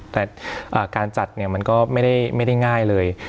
แต่การจัดเนี่ยมันก็ไม่ได้ง่ายเลย